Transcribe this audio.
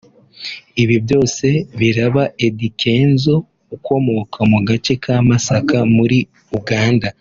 Ibi byose biraba Eddy Kenzo ukomoka mu gace ka Masaka muri Uganda